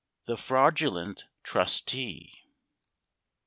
THE FRAUDULENT TRUSTEE.